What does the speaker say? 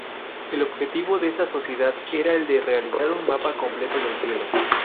El objetivo de esta sociedad era el de realizar un mapa completo del cielo.